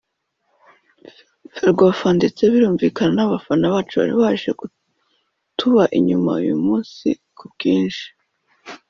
Ferwafa ndetse birumvikana n’abafana bacu bari baje kutuba inyuma uyu munsi ku bwinshi